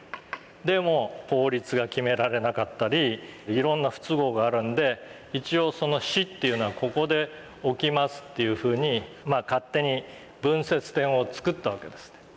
でも法律が決められなかったりいろんな不都合があるんで一応その「死」っていうのはここで起きますっていうふうにまあ勝手に分節点をつくったわけですね。